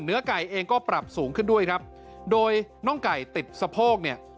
ไก่เองก็ปรับสูงขึ้นด้วยครับโดยน้องไก่ติดสะโพกเนี่ย